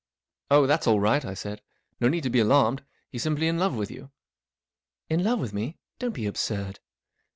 " Oh, that's all right, 1 ' I said. if No need to be alarmed. He's simply in love with you*" " In love with me ? Don't be absurd."